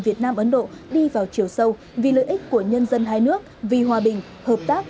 việt nam ấn độ đi vào chiều sâu vì lợi ích của nhân dân hai nước vì hòa bình hợp tác